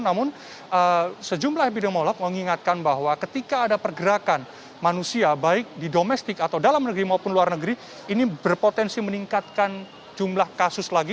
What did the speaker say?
namun sejumlah epidemiolog mengingatkan bahwa ketika ada pergerakan manusia baik di domestik atau dalam negeri maupun luar negeri ini berpotensi meningkatkan jumlah kasus lagi